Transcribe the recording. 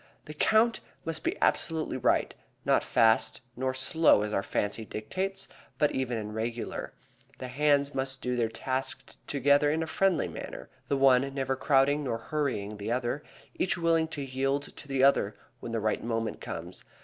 The count must be absolutely right, not fast nor slow as our fancy dictates, but even and regular. The hands must do their task together in a friendly manner; the one never crowding nor hurrying the other, each willing to yield to the other when the right moment comes.